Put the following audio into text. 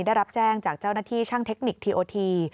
ได้รับแจ้งจากเจ้าหน้าที่ช่างเทคนิคทีโอที